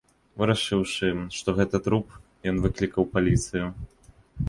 Вырашыўшы, што гэта труп, ён выклікаў паліцыю.